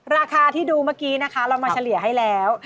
ราคาที่ดูเมื่อกี้นะคะเรามาเฉลี่ยให้แล้ว